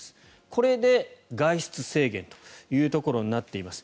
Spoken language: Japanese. これで外出制限というところになっています。